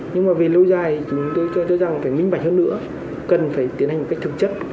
nhưng mà về lâu dài chúng tôi cho rằng phải minh bạch hơn nữa cần phải tiến hành một cách thực chất